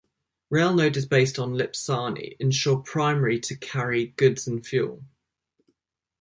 Rail node is based on Lipcani ensure primarily to carry goods and fuel.